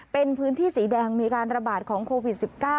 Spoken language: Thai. เป็นพื้นที่สีแดงมีการระบาดของโควิด๑๙